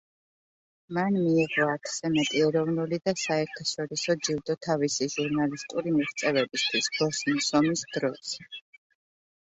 მან მიიღო ათზე მეტი ეროვნული და საერთაშორისო ჯილდო თავისი ჟურნალისტური მიღწევებისთვის, ბოსნიის ომის დროს.